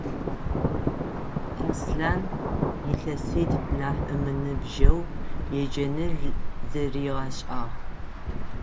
Аслъан илъэситф нахь ымыныбжьэу еджэныр зэригъэшӏагъ.